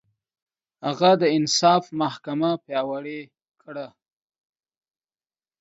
هغه د انصاف محکمه پياوړې کړه.